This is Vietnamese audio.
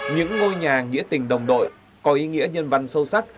những ngôi nhà nghĩa tình đồng đội có ý nghĩa nhân văn sâu sắc